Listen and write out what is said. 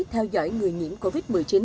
theo dõi người nhiễm covid một mươi chín